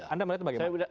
anda melihat bagaimana